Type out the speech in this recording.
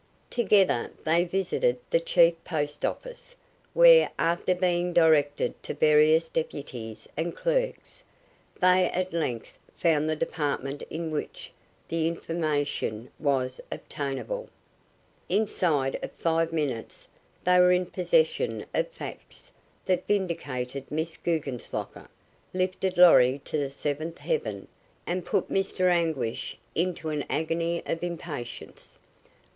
Together they visited the chief post office, where, after being directed to various deputies and clerks, they at length found the department in which the information was obtainable. Inside of five minutes they were in possession of facts that vindicated Miss Guggenslocker, lifted Lorry to the seventh heaven, and put Mr. Anguish into an agony of impatience.